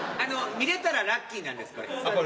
見れたらラッキーなんですこれ。